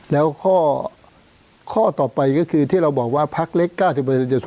แล้วข้อต่อไปก็คือที่เราบอกว่าพักเล็ก๙๐